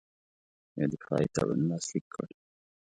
یو دفاعي تړون لاسلیک کړ.